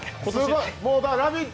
「ラヴィット！」